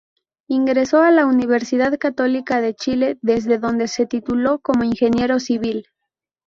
Ingresó a la Universidad Católica de Chile desde dónde se tituló como ingeniero civil.